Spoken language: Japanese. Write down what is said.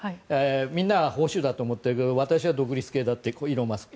みんなは保守だと思っているけれども私は独立系だってイーロン・マスク。